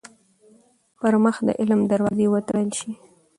پـر مـخ د عـلم دروازې وتـړل شي.